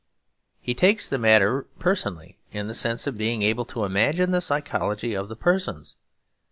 He takes the matter personally, in the sense of being able to imagine the psychology of the persons.